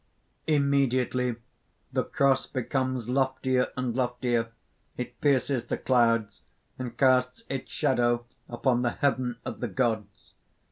(_Immediately the cross becomes loftier and loftier; it pierces the clouds, and casts its shadow upon the heaven of the gods.